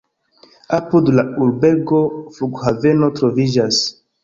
Apud la urbego flughaveno troviĝas.